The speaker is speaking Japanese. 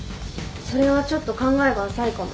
それはちょっと考えが浅いかも。